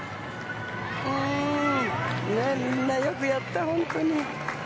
うん、ねえ、みんなよくやった、本当に。